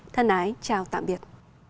thân ái chào tạm biệt